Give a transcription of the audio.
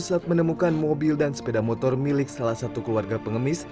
saat menemukan mobil dan sepeda motor milik salah satu keluarga pengemis